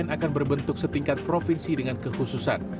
ikn akan berbentuk setingkat provinsi dengan kehususan